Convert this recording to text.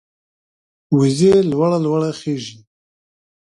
وزې لوړه لوړه خېژي